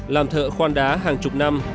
làm thợ khoan đá hàng chục năm